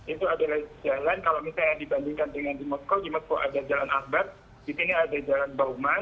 itu adalah jalan kalau misalnya dibandingkan dengan di moskow di mosko ada jalan akbar di sini ada jalan bauman